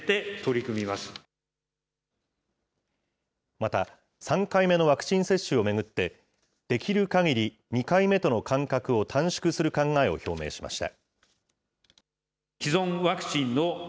また、３回目のワクチン接種を巡って、できるかぎり２回目との間隔を短縮する考えを表明しました。